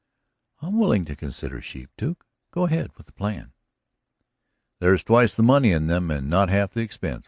"I'm willing to consider sheep, Duke. Go ahead with the plan." "There's twice the money in them, and not half the expense.